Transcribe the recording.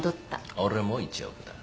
俺も１億だ。